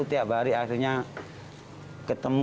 tiap hari akhirnya ketemu